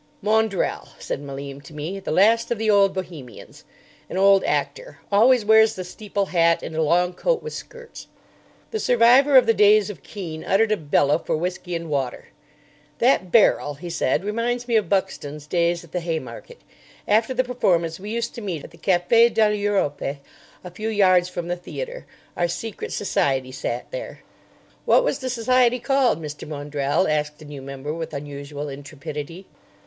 "Maundrell," said Malim to me. "The last of the old Bohemians. An old actor. Always wears the steeple hat and a long coat with skirts." The survivor of the days of Kean uttered a bellow for whisky and water. "That barrel," he said, "reminds me of Buckstone's days at the Haymarket. After the performance we used to meet at the Café de l'Europe, a few yards from the theatre. Our secret society sat there." "What was the society called, Mr. Maundrell?" asked a new member with unusual intrepidity.